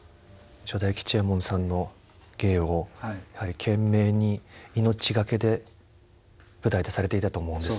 初代吉右衛門さんの芸をやはり懸命に命懸けで舞台でされていたと思うんです。